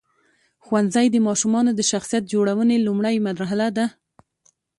ښوونځی د ماشومانو د شخصیت جوړونې لومړۍ مرحله ده.